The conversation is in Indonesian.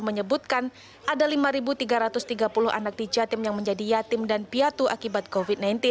menyebutkan ada lima tiga ratus tiga puluh anak di jatim yang menjadi yatim dan piatu akibat covid sembilan belas